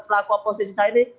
selaku oposisi saat ini